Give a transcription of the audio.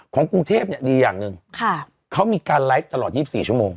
กรุงเทพดีอย่างหนึ่งเขามีการไลฟ์ตลอด๒๔ชั่วโมง